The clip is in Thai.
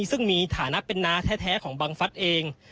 ซึ่งมีฐานะเป็นน้าแท้ของบังฟัสเอง